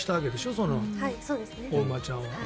そのお馬ちゃんは。